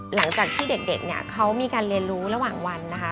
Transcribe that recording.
หลังจากที่เด็กเนี่ยเขามีการเรียนรู้ระหว่างวันนะคะ